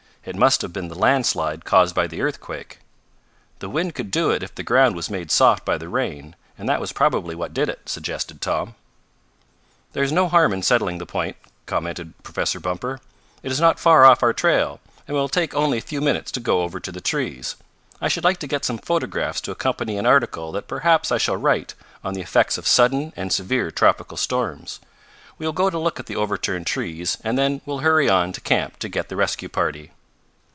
"It must have been the landslide caused by the earthquake." "The wind could do it if the ground was made soft by the rain; and that was probably what did it," suggested Tom. "There is no harm in settling the point," commented Professor Bumper. "It is not far off our trail, and will take only a few minutes to go over to the trees. I should like to get some photographs to accompany an article that perhaps I shall write on the effects of sudden and severe tropical storms. We will go to look at the overturned trees and then we'll hurry on to camp to get the rescue party."